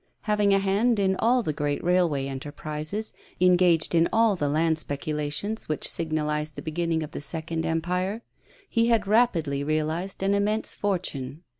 Having a hand in all the great railway enterprises, engaged in all the land speculations which signalized the beginning of the Second Empire, he had rapidly realized an immense fortune.